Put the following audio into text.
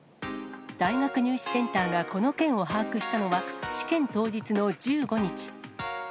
大学入試センターが、この件を把握したのは、試験当日の１５日。